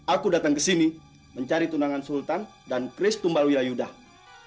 aku datang ke sini mencari tunangan sultan dan kris tumbal wilayudah